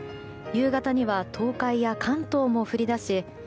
夕方には東海や関東も降り出し